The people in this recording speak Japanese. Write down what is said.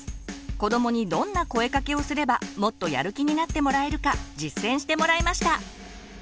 子どもにどんな声かけをすればもっとやる気になってもらえるか実践してもらいました。